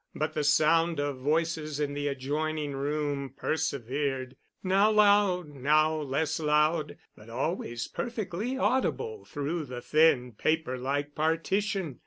But the sound of voices in the adjoining room persevered, now loud—now less loud, but always perfectly audible through the thin, paper like partition.